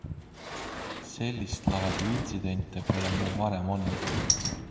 Sellist laadi intsidente pole meil varem olnud.